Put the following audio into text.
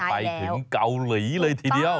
ไปถึงเกาหลีเลยทีเดียว